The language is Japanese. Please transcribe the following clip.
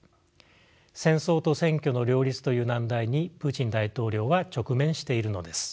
戦争と選挙の両立という難題にプーチン大統領は直面しているのです。